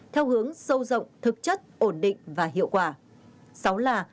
theo hướng sâu rộng thực chất ổn định và hiệu quả